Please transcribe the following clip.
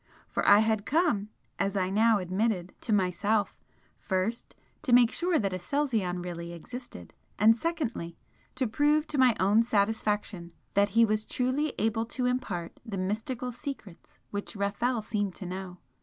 for I had come, as I now admitted to myself, first to make sure that Aselzion really existed and secondly, to prove to my own satisfaction that he was truly able to impart the mystical secrets which Rafel seemed to know.